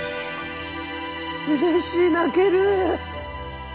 うれしい泣ける！